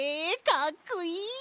かっこいい！